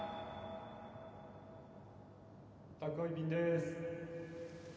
・宅配便です